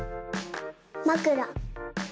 まくら。